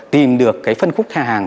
tìm được cái phân khúc hàng